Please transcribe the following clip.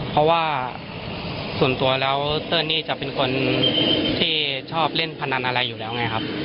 เพราะว่าส่วนตัวแล้วเติ้ลนี่จะเป็นคนที่ชอบเล่นพนันอะไรอยู่แล้วไงครับ